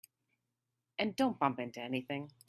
And don't bump into anything.